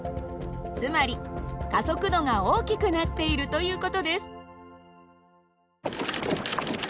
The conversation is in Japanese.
つまり加速度が大きくなっているという事です。